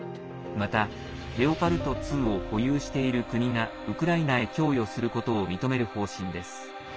また、レオパルト２を保有している国がウクライナへ供与することを認める方針です。